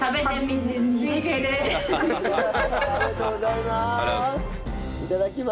ありがとうございます！